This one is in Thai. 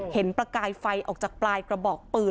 ประกายไฟออกจากปลายกระบอกปืน